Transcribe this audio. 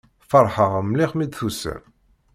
Feṛḥeɣ mliḥ mi d-tusam.